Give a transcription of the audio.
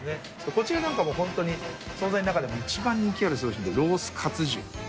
こちらなんかも本当に、総菜の中でも一番人気がある商品でロースかつ重。